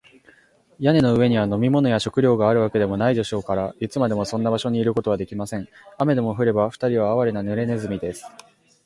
屋根の上には飲み水や食料があるわけでもないでしょうから、いつまでもそんな場所にいることはできません。雨でも降れば、ふたりはあわれな、ぬれネズミです。